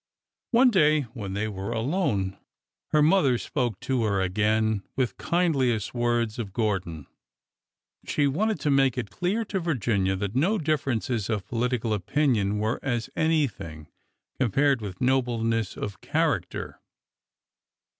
One day, when they were alone, her mother spoke to her again with kindliest words of Gordon. She wanted to make it clear to Virginia that no differences of political opinion were as anything compared with nobleness of character.